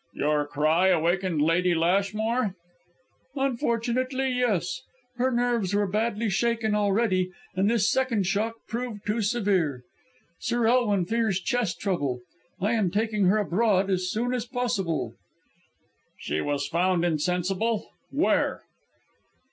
"Your cry awakened Lady Lashmore?" "Unfortunately, yes. Her nerves were badly shaken already, and this second shock proved too severe. Sir Elwin fears chest trouble. I am taking her abroad as soon as possible." "She was found insensible. Where?"